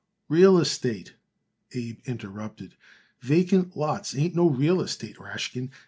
"Real estate!" Abe interrupted. "Vacant lots ain't no real estate, Rashkin.